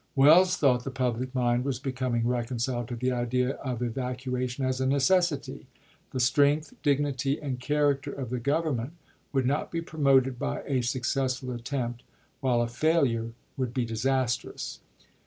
ie.W. Welles thought the public mind was becoming reconciled to the idea of evacuation as a necessity. The strength, dignity, and character of the Gov ernment would not be promoted by a successful lL^ih? attempt, while a failure would be disastrous. ' ms.